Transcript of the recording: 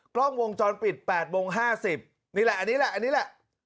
กล้องวงจรปิด๘โมง๕๐นี่แหละอันนี้แหละอันนี้แหละ